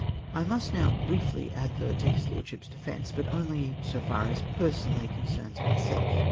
I must now briefly advert to his lordship's defence, but only so far as personally concerns myself.